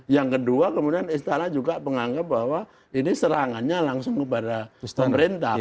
yang kedua kemudian istana juga menganggap bahwa ini serangannya langsung kepada pemerintah